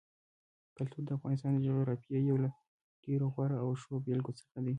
کلتور د افغانستان د جغرافیې یو له ډېرو غوره او ښو بېلګو څخه دی.